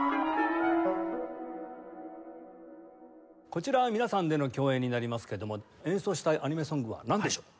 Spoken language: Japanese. こちらは皆さんでの協演になりますけども演奏したいアニメソングはなんでしょう？